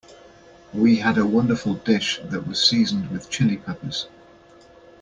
We had a wonderful dish that was seasoned with Chili Peppers.